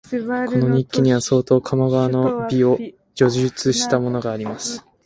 この日記には、相当鴨川の美を叙述したものがあります